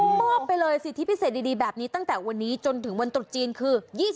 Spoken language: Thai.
มอบไปเลยสิทธิพิเศษดีแบบนี้ตั้งแต่วันนี้จนถึงวันตรุษจีนคือ